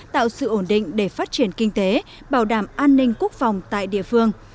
tạo sự ổn định để phát triển kinh tế bảo đảm an ninh quốc phòng tại địa phương